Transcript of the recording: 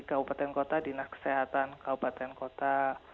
kabupaten kota dinas kesehatan kabupaten kota